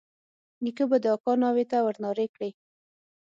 نيکه به د اکا ناوې ته ورنارې کړې.